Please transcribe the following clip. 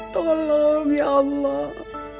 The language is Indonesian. tolong ya allah